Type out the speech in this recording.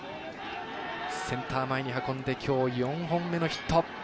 センター前に運んできょう４本目のヒット。